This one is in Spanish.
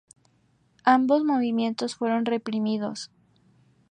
Ambos movimientos fueron reprimidos.